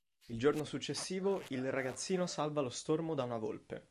Il giorno successivo il ragazzino salva lo stormo da una volpe.